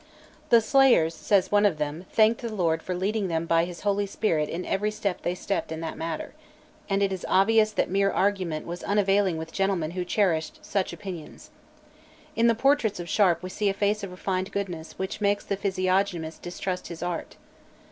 The slayers, says one of them, thanked the Lord "for leading them by His Holy Spirit in every step they stepped in that matter," and it is obvious that mere argument was unavailing with gentlemen who cherished such opinions. In the portraits of Sharp we see a face of refined goodness which makes the physiognomist distrust his art.